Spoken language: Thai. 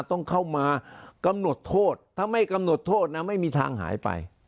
ต้องเข้ามากำหนดโทษถ้าไม่กำหนดโทษนะไม่มีทางหายไป